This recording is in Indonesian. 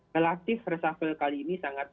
relatif resafel kali ini sangat